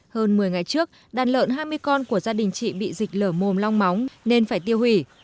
hơn một mươi ngày trước đàn lợn hai mươi con của gia đình chị bị dịch lở mồm long móng nên phải tiêu hủy